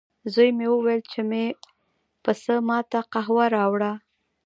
زوی مې وویل، چې مې پسه ما ته قهوه راوړه.